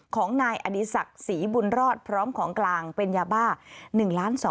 ของนายอดีศักดิ์ศรีบุญรอดพร้อมของกลางเป็นยาบ้า๑ล้าน๒